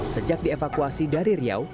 sejak dievakuasi dari riau